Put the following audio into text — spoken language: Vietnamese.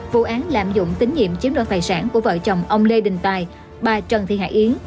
vụ án lạm dụng tín nhiệm chiếm đoạt tài sản của vợ chồng ông lê đình tài bà trần thị hải yến